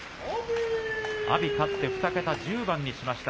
阿炎、勝って２桁、１０番にしました。